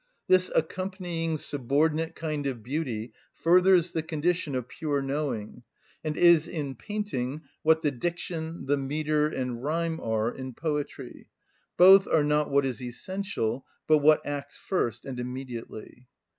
This accompanying subordinate kind of beauty furthers the condition of pure knowing, and is in painting what the diction, the metre, and rhyme are in poetry; both are not what is essential, but what acts first and immediately.